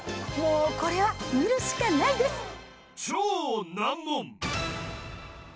もうこれは見るしかないです